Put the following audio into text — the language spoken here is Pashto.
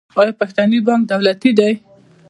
آیا پښتني بانک دولتي دی؟